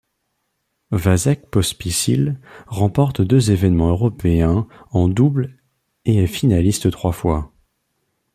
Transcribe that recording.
Vasek Pospisil remporte deux événements européens en double et est finaliste trois fois.